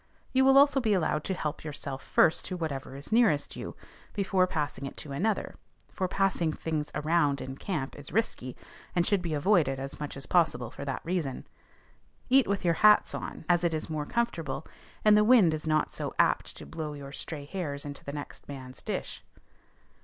You will also be allowed to help yourself first to whatever is nearest you, before passing it to another; for passing things around in camp is risky, and should be avoided as much as possible for that reason. Eat with your hats on, as it is more comfortable, and the wind is not so apt to blow your stray hairs into the next man's dish.